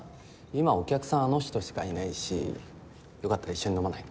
今お客さんあの人しかいないしよかったら一緒に飲まない？